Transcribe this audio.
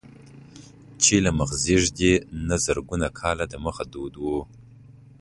چې له مخزېږدي نه زرګونه کاله دمخه دود و.